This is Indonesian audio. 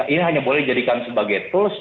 ini hanya boleh dijadikan sebagai tools